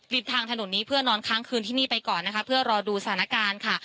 ทางถนนนี้เพื่อนอนค้างคืนที่นี่ไปก่อนนะคะเพื่อรอดูสถานการณ์ค่ะ